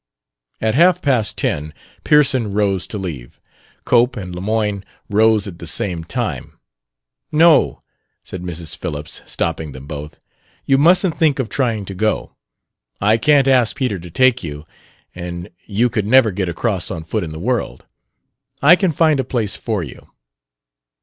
At half past ten Pearson rose to leave; Cope and Lemoyne rose at the same time. "No," said Mrs. Phillips, stopping them both; "you mustn't think of trying to go. I can't ask Peter to take you, and you could never get across on foot in the world. I can find a place for you."